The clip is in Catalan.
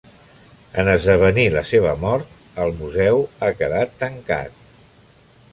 En esdevenir la seva mort el museu ha quedat tancat.